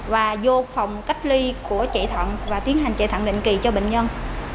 và vô phòng cách ly của chạy thận và tiến hành chạy thẳng định kỳ cho bệnh nhân